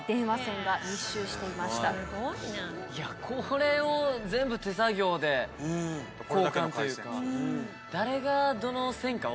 これを全部手作業で交換というか。